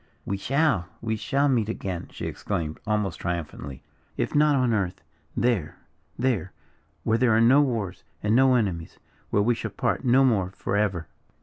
"We shall we shall meet again!" she exclaimed, almost triumphantly. "If not on earth there, there, where there are no wars, and no enemies where we shall part no more forever!"